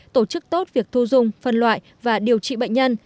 tổ chức tốt việc thu dung phân loại và điều trị bệnh nhân